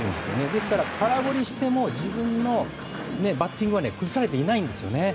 ですから、空振りしても自分のバッティングは崩されていないんですよね。